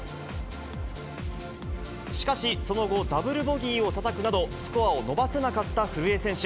しかし、その後、ダブルボギーをたたくなど、スコアを伸ばせなかった古江選手。